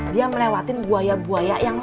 dia melewati buaya buaya yang